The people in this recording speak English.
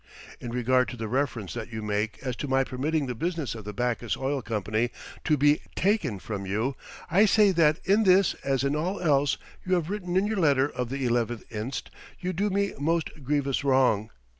In regard to the reference that you make as to my permitting the business of the Backus Oil Company to be taken from you, I say that in this as in all else you have written in your letter of the 11th inst., you do me most grievous wrong.